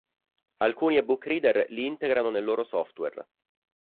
Alcuni eBook reader li integrano nel loro software.